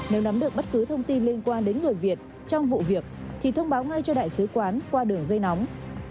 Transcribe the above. nếu nắm được bất cứ thông tin liên quan đến người việt trong vụ việc thì thông báo ngay cho đại sứ quán qua đường dây nóng